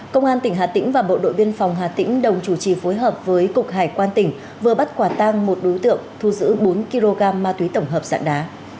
công an tỉnh hà tĩnh và bộ đội biên phòng hà tĩnh đồng chủ trì phối hợp với cục hải quan tỉnh vừa bắt quả tang một đối tượng thu giữ bốn kg ma túy tổng hợp dạng đá